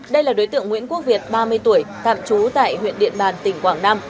đây là đối tượng nguyễn quốc việt ba mươi tuổi tạm trú tại huyện điện bàn tỉnh quảng nam